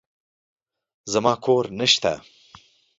زما کور نشته.